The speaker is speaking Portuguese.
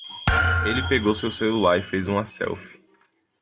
Ele pegou seu celular e fez uma selfie.